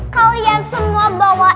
kalian semua tuh berisik deh